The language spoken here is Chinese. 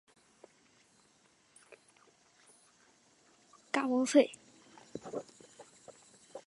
庙方还拥有林口新市镇多笔土地。